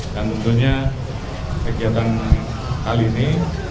dan tentunya kegiatan kali ini